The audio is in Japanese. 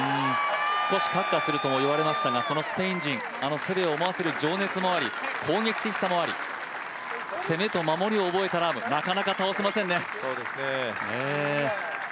少しカッカするとも言われていましたがそのスペイン人あのセベを思わせる情熱もあり、攻撃性もあり攻めと守りを覚えたラーム、なかなか倒せませんね。